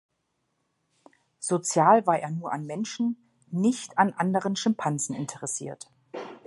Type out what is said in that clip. Sozial war er nur an Menschen, nicht an anderen Schimpansen interessiert.